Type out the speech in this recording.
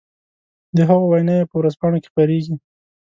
د هغو ويناوې په ورځپانو کې خپرېږي.